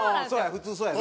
普通そうやな。